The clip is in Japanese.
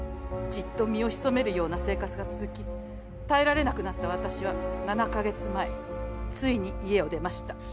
じっと身を潜めるような生活が続き耐えられなくなった私は７か月前ついに家を出ました」。